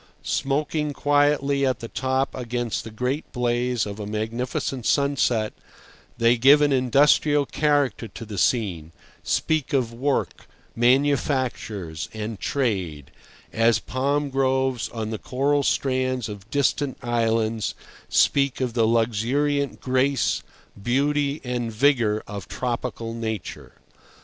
Smoking quietly at the top against the great blaze of a magnificent sunset, they give an industrial character to the scene, speak of work, manufactures, and trade, as palm groves on the coral strands of distant islands speak of the luxuriant grace, beauty and vigour of tropical nature.